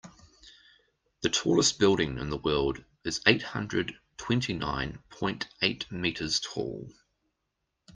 The tallest building in the world is eight hundred twenty nine point eight meters tall.